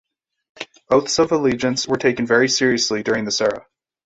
Oaths of allegiance were taken very seriously during this era.